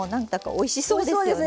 おいしそうですね。